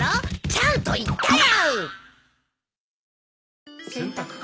ちゃんと言ったよ！